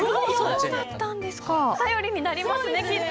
頼りになりますねきっと！